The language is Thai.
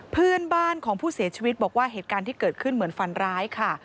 เพื่อนบ้านของผู้เสียชีวิตบอกว่าเหตุการณ์ที่เกิดขึ้นเหมือนฟันร้ายค่ะ